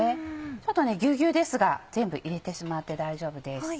ちょっとぎゅうぎゅうですが全部入れてしまって大丈夫です。